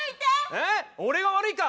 え俺が悪いか？